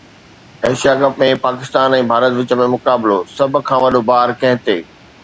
Asia cup ۾ Pakistan ۽ Bharat وچ ۾ مقابلو، سڀ کان وڏو بار ڪنهن تي؟